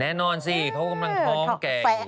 แน่นอนสิเขาก็มันท้องแก่อยู่